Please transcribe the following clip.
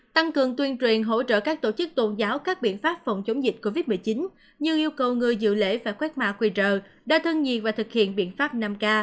tăng cường tuyên truyền hỗ trợ các tổ chức tôn giáo các biện pháp phòng chống dịch covid một mươi chín như yêu cầu người dự lễ và khoét mạ quy trợ đa thân nhiên và thực hiện biện pháp năm k